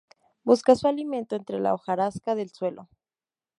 Busca su alimento entre la hojarasca del suelo.